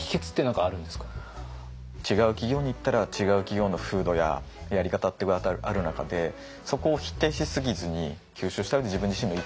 違う企業にいったら違う企業の風土ややり方ってある中でそこを否定しすぎずに吸収した上で自分自身の意見を言えるか。